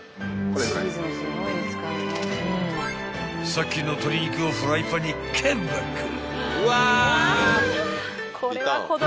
［さっきの鶏肉をフライパンにカムバック］